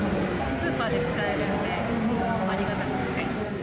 スーパーで使えるのですごくありがたくって。